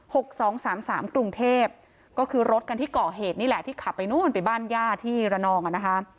สองสามสามกรุงเทพก็คือรถกันที่เกาะเหตุนี่แหละที่ขับไปนู่นไปบ้านย่าที่ระนองอ่ะนะคะ